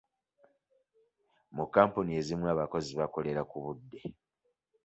Mu kkampani ezimu, abakozi bakolera ku budde.